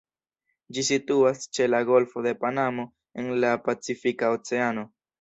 Ĝi situas ĉe la Golfo de Panamo en la Pacifika Oceano.